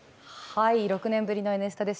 ６年ぶりの「Ｎスタ」です。